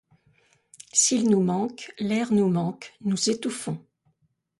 S'ils nous manquent, l'air nous manque, nous étouffons.